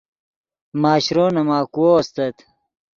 ماشرو نے ماکوؤ استت